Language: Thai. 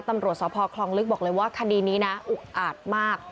ตำรวจสพคลองลึกบอกเลยว่าคดีนี้นะอุกอาจมาก